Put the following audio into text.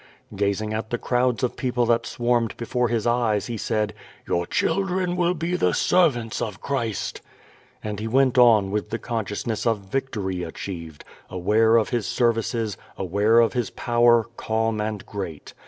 Gazing at the crowds of people that swarmed before his eyes, he said: "Your children will be the servants of Christ.'' And he went on with the consciousness of victory achieved, aware of his services, aware of his power, calm, and great.